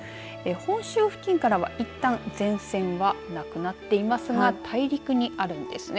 本州付近からはいったん前線はなくなっていますが大陸にあるんですね。